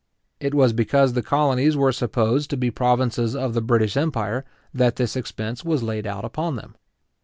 It was because the colonies were supposed to be provinces of the British Empire, that this expense was laid out upon them.